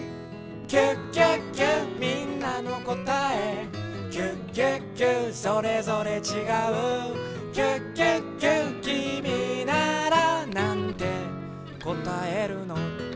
「キュキュキュみんなのこたえ」「キュキュキュそれぞれちがう」「キュキュキュきみならなんてこたえるの？」